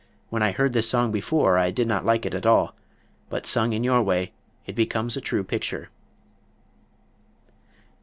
When I heard this song before I did not like it at all, but sung in your way it becomes a true picture."